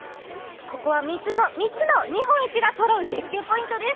ここは３つの日本一がそろう絶景ポイントです。